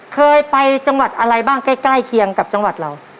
เคยไปจังหวัดอะไรบ้างใกล้เคียงกับจังหวัดเรา